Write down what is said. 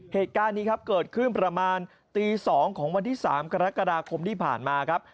เหตุการณ์นี้ครับเกิดขึ้นประมาณตี๒ของวันที่๓กรกฎาคมที่ผ่านมาครับ